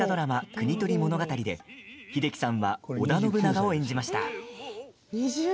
「国盗り物語」で英樹さんは織田信長を演じました。